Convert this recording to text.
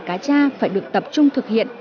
cacha phải được tập trung thực hiện